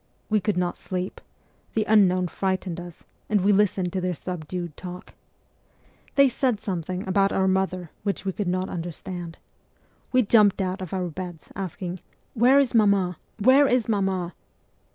We could not sleep : the unknown frightened us, and we listened to their subdued talk. They said something about our mother CHILDHOOD 9 which we could not understand. We jumped out of our beds, asking, ' Where is mamma ? Where is mamma